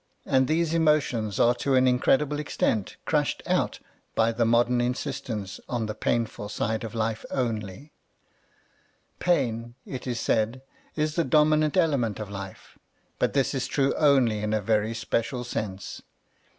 And these emotions are to an incredible extent crushed out by the modern insistence on the painful side of life only. Pain, it is A Defence of Farce said, is the dominant element of life ; but this is true only in a very special sense.